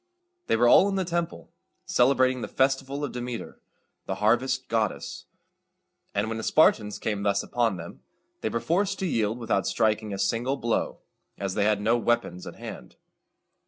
They were all in the temple, celebrating the festival of Demeter, the harvest goddess; and when the Spartans came thus upon them, they were forced to yield without striking a single blow, as they had no weapons at hand.